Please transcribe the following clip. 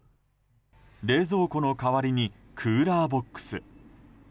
冷蔵庫の代わりにクーラーボックス。